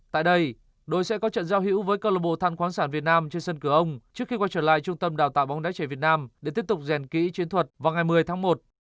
tại đây đội sẽ có trận giao hữu với cơ lộng bộ than khoáng sản việt nam trên sân cửa ông trước khi qua trở lại trung tâm đào tạo bóng đáy chảy việt nam để tiếp tục rèn kỹ chiến thuật vào ngày một mươi tháng một